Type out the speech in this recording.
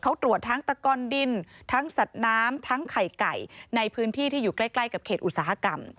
เขาตรวจทั้งตะกอนดินทั้งสัตว์น้ำทั้งไข่ไก่ในพื้นที่ที่อยู่ใกล้กับเขตอุตสาหกรรม